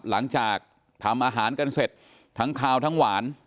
หลังจากทำอาหารกันเสร็จทั้งคาวทั้งหวาน